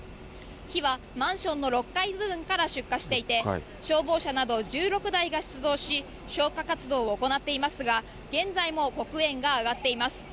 火はマンションの６階部分から出火していて、消防車など１６台が出動し、消火活動を行っていますが、現在も黒煙が上がっています。